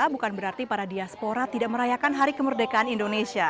bukan berarti para diaspora tidak merayakan hari kemerdekaan indonesia